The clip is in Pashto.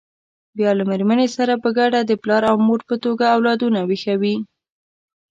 بیا له مېرمنې سره په ګډه د پلار او مور په توګه اولادونه ویښوي.